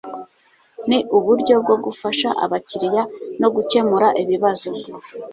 ni uburyo bwo gufasha abakiriya no gukemura ibibazo